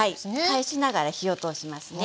返しながら火を通しますね。